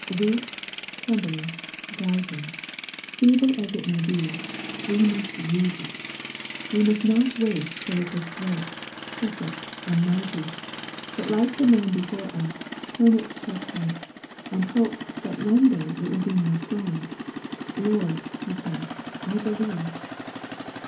Weak, trembling, doubting, feeble as it may be, we 2aust use it. We must not wait till it is great, perfect, and mighty, but like the man before us, turn it to account, and hope that one day it will be more strong. " Lord," he said, " I believe."